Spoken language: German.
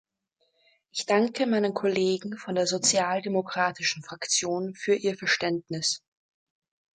Ich danke meinen Kollegen von der sozialdemokratischen Fraktion für ihr Verständnis.